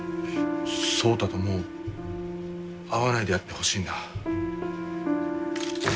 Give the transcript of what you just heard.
聡太ともう会わないでやってほしいんだ。